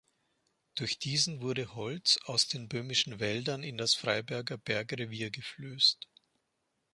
Durch diesen wurde Holz aus den böhmischen Wäldern in das Freiberger Bergrevier geflößt.